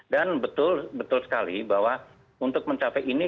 dan betul sekali bahwa untuk mencapai itu